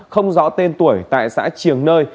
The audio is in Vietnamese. không rõ tên tuổi tại xã triềng nơi